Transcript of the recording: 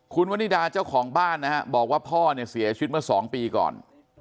คุณวนิดาเจ้าของบ้านนะฮะบอกว่าพ่อเนี่ยเสียชีวิตเมื่อ๒ปีก่อน